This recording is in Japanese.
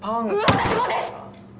私もです！